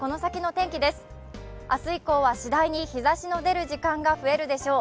明日以降は次第に日ざしが出る時間があるでしょう。